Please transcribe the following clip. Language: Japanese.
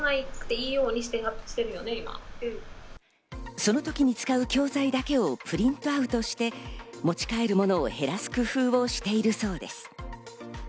その時に使う教材だけをプリントアウトして持ち帰るものを減らす工夫をしているそうです。